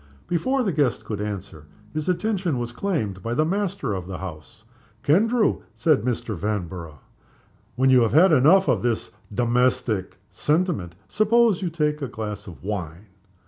Before the guest could answer, his attention was claimed by the master of the house. "Kendrew," said Mr. Vanborough, "when you have had enough of domestic sentiment, suppose you take a glass of wine?"